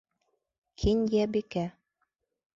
Кинйәбикә